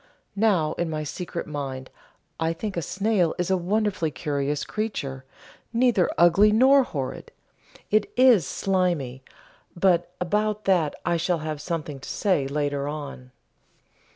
Now in my secret mind I think a snail is a wonderfully curious creature, neither ugly nor "horrid" it is slimy, but about that I shall have something to say later on.